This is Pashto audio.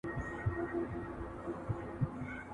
چي ياقربان ووايم دا يې بيا، بيا هيلـه وكړي